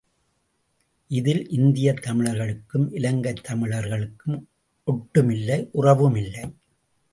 இதில் இந்தியத் தமிழர்களுக்கும் இலங்கைத் தமிழர்களுக்கும் ஒட்டும் இல்லை உறவும் இல்லை.